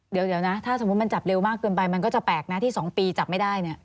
เดี๋ยวนะถ้าสมมุติมันจับเร็วมากเกินไปมันก็จะแปลกนะที่๒ปีจับไม่ได้เนี่ย